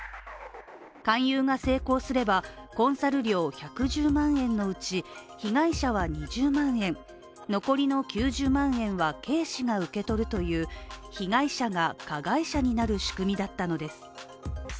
勧誘が成功すれば、コンサル料１１０万円のうち被害者は２０万円、残りの９０万円はＫ氏が受け取るという被害者が加害者になる仕組みだったのです。